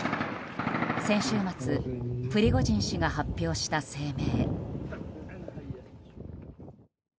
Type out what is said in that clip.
先週末プリゴジン氏が発表した声明。